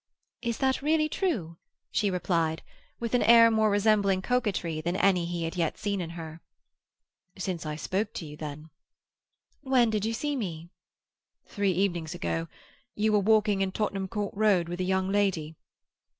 "Is that really true?" she replied, with an air more resembling coquetry than any he had yet seen in her. "Since I spoke to you, then." "When did you see me?" "Three evenings ago. You were walking in Tottenham Court Road with a young lady."